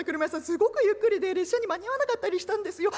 すごくゆっくりで列車に間に合わなかったりしたんですよ。